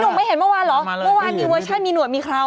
พี่หนุ่มไม่เห็นเมื่อวานเหรอเมื่อวานมีโวชั่นมีหนวดมีเครา